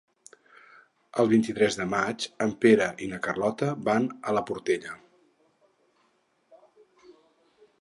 El vint-i-tres de maig en Pere i na Carlota van a la Portella.